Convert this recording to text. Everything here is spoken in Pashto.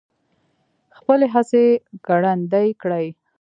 خپلې هڅې ګړندۍ کړي.